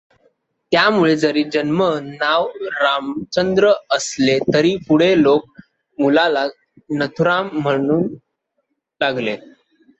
त्यामुळे जरी जन्म नाव रामचंद्र असले तरी पुढे लोक मुलाला नथुराम म्हणू लागले.